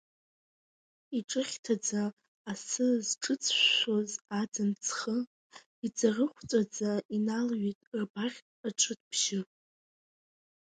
Иҿыхьҭаӡа асы зҿыҵшәшәоз аӡын ҵхы, иҵарыхәҵәаӡа иналҩит рбаӷьк аҿыҭбжьы.